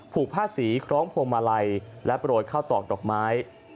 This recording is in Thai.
ผ้าสีคล้องพวงมาลัยและโปรยข้าวตอกดอกไม้